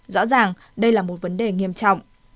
rõ ràng đây là một vấn đề nghiêm trọng